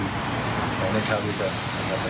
อย่างนั้นครับดูกัน